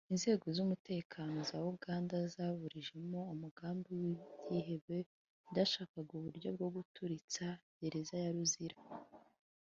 Inzego z’umutekano za Uganda zaburijemo umugambi w’ibyihebe byashakaga uburyo bwo guturitsa Gereza ya Luzira